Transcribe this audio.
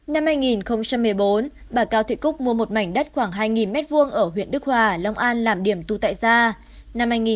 năm hai nghìn một mươi bốn bà cao thị cúc mua một mảnh đất khoảng hai m hai ở huyện đức hòa long an làm điểm tu tại gia